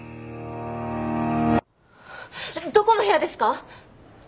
どこの部屋ですか？